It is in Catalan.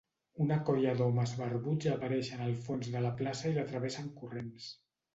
Una colla d'homes barbuts apareixen al fons de la plaça i la travessen corrents.